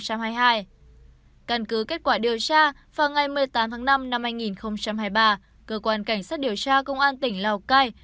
căn cứ kết quả điều tra vào ngày một mươi tám tháng năm năm hai nghìn hai mươi ba cơ quan cảnh sát điều tra công an tỉnh lào cai